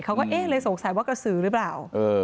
เขาก็เลยเอ๊ะเลยสงสัยว่ากระสือหรือเปล่า